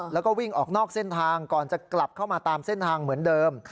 แล้วก็วิ่งออกนอกเส้นทางก่อนจะกลับเข้ามาตามเส้นทางเหมือนเดิม